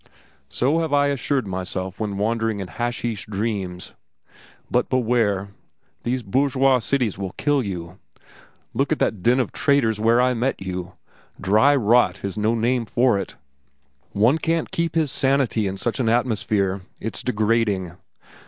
"So have I assured myself when wandering in hasheesh dreams. But beware. These bourgeois cities will kill you. Look at that den of traitors where I met you. Dry rot is no name for it. One can't keep his sanity in such an atmosphere. It's degrading.